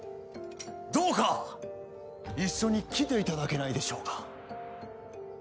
どうか一緒に来ていただけないでしょうか？